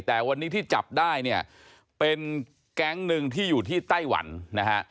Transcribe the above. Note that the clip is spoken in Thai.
แต่วันนี้ที่จับได้เนี่ยเป็นแก๊งหนึ่งที่อยู่ที่ไต้หวันนะฮะ